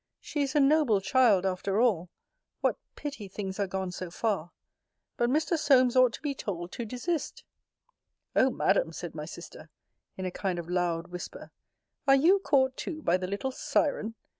She is a noble child after all. What pity things are gone so far! But Mr. Solmes ought to be told to desist. O Madam, said my sister, in a kind of loud whisper, are you caught too by the little siren?